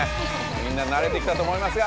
みんななれてきたと思いますが。